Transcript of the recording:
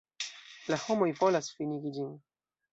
La homoj volas finigi ĝin.